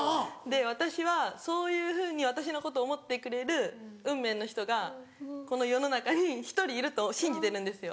私はそういうふうに私のことを思ってくれる運命の人がこの世の中に１人いると信じてるんですよ。